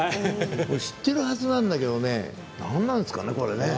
知ってるはずなんだけどねなんなんですかね。